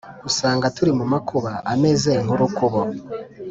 usanga turi mu makuba ameze nk'urukubo,